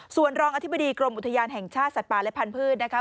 ส่วนรองอธิบดีกรมอุทยานแห่งชาติสัตว์ป่าและพันธุ์นะคะ